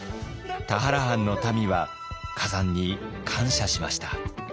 田原藩の民は崋山に感謝しました。